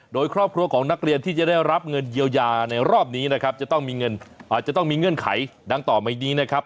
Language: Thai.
โดยครอบครัวของนักเรียนที่จะได้รับเงินเยียวยาในรอบนี้นะครับจะต้องมีเงินไขดังต่อไปดีนะครับ